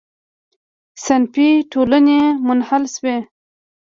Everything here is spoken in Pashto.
صنفي ټولنې منحل شوې.